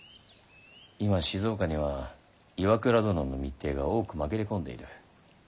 今静岡には岩倉殿の密偵が多く紛れ込んでいる。